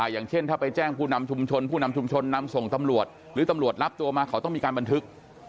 อย่างเช่นถ้าไปแจ้งผู้นำชุมชนผู้นำชุมชนนำส่งตำรวจหรือตำรวจรับตัวมาเขาต้องมีการบันทึก